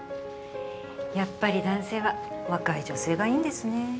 やっぱり男性は若い女性がいいんですね。